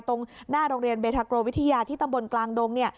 ตรงหน้าโรงเรียนเบทาโกวิทยาที่ตำบลกลางดงเนี่ย